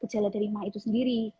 gejala dari emah itu sendiri